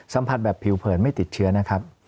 สัมผัสแบบผิวเผินไม่ติดเชื้อนะครับ